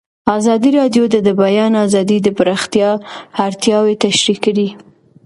ازادي راډیو د د بیان آزادي د پراختیا اړتیاوې تشریح کړي.